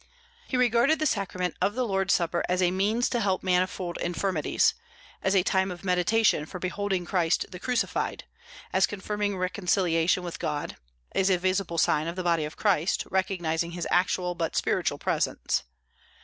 He regarded the Sacrament of the Lord's Supper as a means to help manifold infirmities, as a time of meditation for beholding Christ the crucified; as confirming reconciliation with God; as a visible sign of the body of Christ, recognizing his actual but spiritual presence.